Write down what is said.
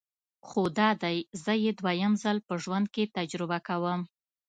خو دادی زه یې دویم ځل په ژوند کې تجربه کوم.